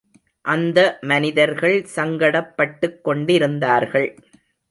அந்த மனிதர்கள் சங்கடப்பட்டுக் கொண்டிருந்தார்கள்.